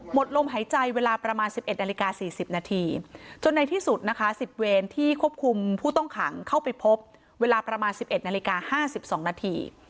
หมดลมหายใจเวลาประมาณ๑๑นาฬิกา๔๐นาทีจนในที่สุดนะคะ๑๐เวรที่ควบคุมผู้ต้องขังเข้าไปพบเวลาประมาณ๑๑นาฬิกา๕๒นาที